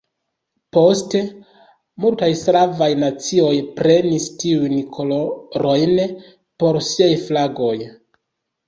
Poste multaj slavaj nacioj prenis tiujn kolorojn por siaj flagoj.